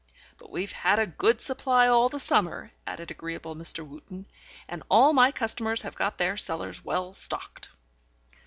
"But we've had a good supply all the summer," added agreeable Mr. Wootten, "and all my customers have got their cellars well stocked."